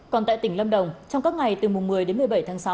còn tại tỉnh lâm đồng trong các ngày từ mùng một mươi đến một mươi bảy tháng sáu